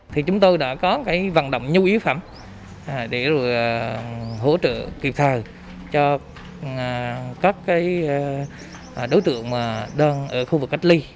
thì chúng tôi đã có cái vận động nhu yếu phẩm để rồi hỗ trợ kịp thời cho các đối tượng đơn ở khu vực cách ly